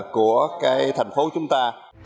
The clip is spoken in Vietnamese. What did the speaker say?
của cái thành phố chúng ta